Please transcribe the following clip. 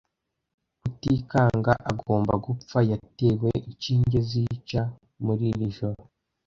Rutikanga agomba gupfa yatewe inshinge zica muri iri joro.